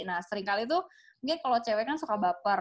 nah sering kali tuh mungkin kalo cewek kan suka baper